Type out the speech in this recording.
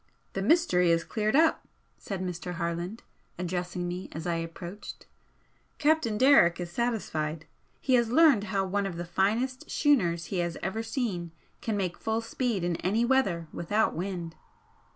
"The mystery is cleared up," said Mr. Harland, addressing me as I approached "Captain Derrick is satisfied. He has learned how one of the finest schooners he has ever seen can make full speed in any weather without wind."